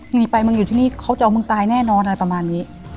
หนีไปมึงอยู่ที่นี่เขาจะเอามึงตายแน่นอนอะไรประมาณนี้